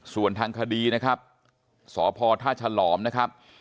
ส่วนทางคดีนะครับสพท่าฉลอมนะครับ